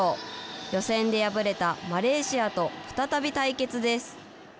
予選で敗れたマレーシアと再び対決です。